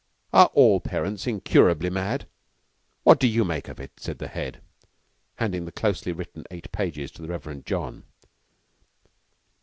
Are all parents incurably mad? What do you make of it?" said the Head, handing a closely written eight pages to the Reverend John.